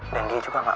dan dia juga gak paham